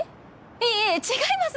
いやいや違います